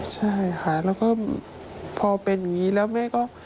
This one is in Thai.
ใช่ค่ะแล้วก็พอเป็นอย่างนี้แล้วแม่ก็